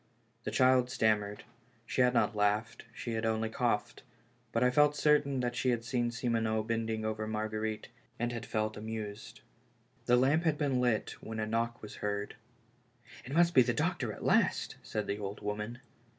The child stammered; she had not laughed, she had only coughed; but I felt certain that she had seen Simoneau bending over Marguerite, and had felt amused. The lamp had been lit, when a knock was heard. "It must be the doctor at last," said the old woman.